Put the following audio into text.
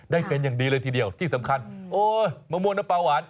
ได้เป็นอย่างดีเลยทีเดียวที่สำคัญโอ้ยมะม่วงน้ำปลาหวาน